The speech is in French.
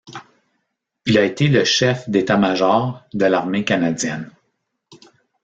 Il a été le Chef d'état-major de l'armée canadienne.